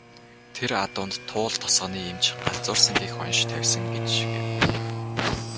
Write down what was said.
Тэр адуунд Туул тосгоны эмч "галзуурсан" гэх онош тавьсан гэж гэв.